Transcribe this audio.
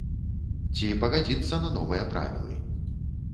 Ці пагадзіцца на новыя правілы.